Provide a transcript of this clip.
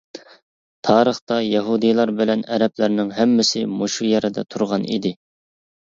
تارىختا، يەھۇدىيلار بىلەن ئەرەبلەرنىڭ ھەممىسى مۇشۇ يەردە تۇرغان ئىدى.